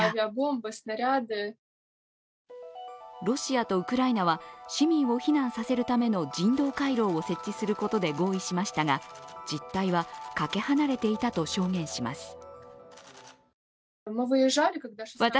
ロシアとウクライナは市民を避難させるための人道回廊を設置することで合意しましたが、実態はかけ離れていたと証言します。